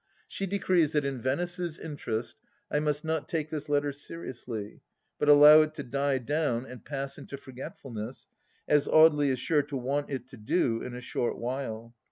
She decrees that in Venice's interest I must not take this letter seriously, but allow it to die down and pass into for getfulness, as Audely is sure to want it to do in a short while.